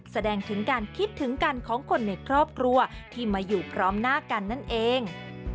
แสดงถึงการคิดถึงกันของคนในครอบครัวที่มาอยู่พร้อมหน้ากันนั่นเอง